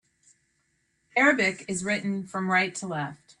Arabic is written from right to left.